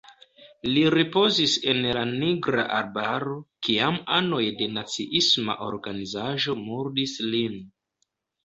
Li ripozis en la Nigra Arbaro, kiam anoj de naciisma organizaĵo murdis lin.